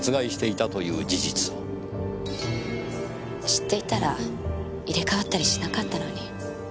知っていたら入れ替わったりしなかったのに。